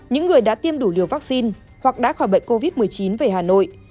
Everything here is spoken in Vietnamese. những người đã tiêm đủ liều vaccine hoặc đã khỏi bệnh covid một mươi chín về hà nội